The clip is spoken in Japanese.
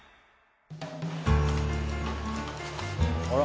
あら？